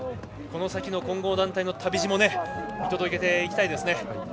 この先の混合団体の旅路も見届けていきたいですね。